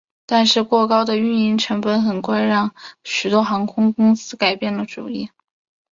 但是过高的运营成本很快让许多航空公司改变了主意。